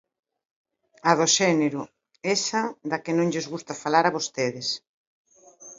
A do xénero, esa da que non lles gusta falar a vostedes.